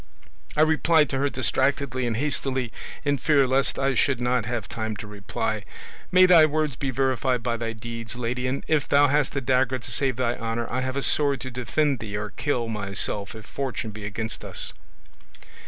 I replied to her distractedly and hastily, in fear lest I should not have time to reply, 'May thy words be verified by thy deeds, lady; and if thou hast a dagger to save thy honour, I have a sword to defend thee or kill myself if fortune be against us.